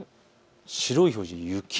白い表示、雪。